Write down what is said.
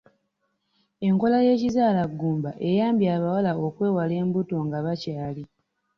Enkola y'ekizaala ggumba eyambye abawala okwewala embuto nga bakyaali.